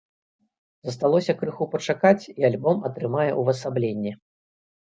Засталося крыху пачакаць, і альбом атрымае ўвасабленне.